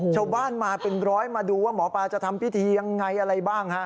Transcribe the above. ชาวบ้านมาเป็นร้อยมาดูว่าหมอปลาจะทำพิธียังไงอะไรบ้างฮะ